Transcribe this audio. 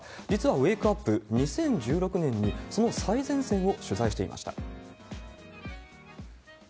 実はウェークアップ、２０１６年にその最前線を取材していました。